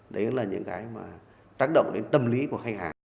đấy là những cái mà tác động đến tâm lý của khách hàng